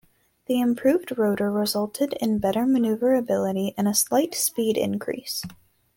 The improved rotor resulted in better maneuverability and a slight speed increase.